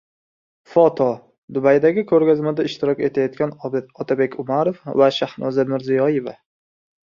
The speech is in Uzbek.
Foto: Dubaydagi ko‘rgazmada ishtirok etayotgan Otabek Umarov va Shahnoza Mirziyoyeva